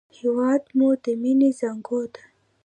هېواد مو د مینې زانګو ده